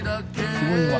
すごいわ。